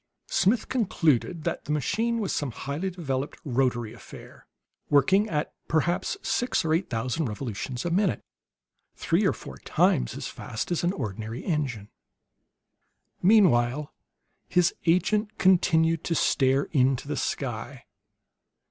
Smith concluded that the machine was some highly developed rotary affair, working at perhaps six or eight thousand revolutions a minute three or four times as fast as an ordinary engine. Meanwhile his agent continued to stare into the sky.